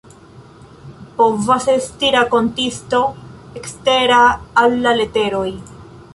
Povas esti rakontisto ekstera al la leteroj.